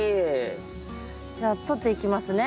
じゃあとっていきますね。